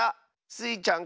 スイちゃん